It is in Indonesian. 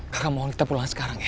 karena mohon kita pulang sekarang ya